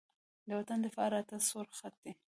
د وطن دفاع راته سور خط دی.